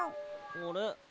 あれ？